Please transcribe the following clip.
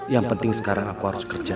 yang penting sekarang aku harus kerja